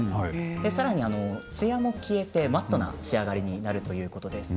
さらに、つやも消えてマットな仕上がりになるということです。